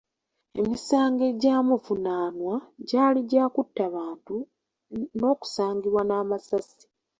Emisango egyamuvunaanwa gyali gya kutta bantu n’okusangibwa n’amasasi.